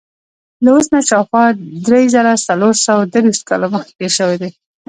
له اوس نه شاوخوا درې زره څلور سوه درویشت کاله مخکې تېر شوی دی.